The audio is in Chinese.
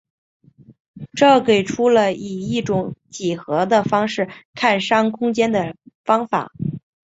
这给出了以一种几何的方式看商空间的方法。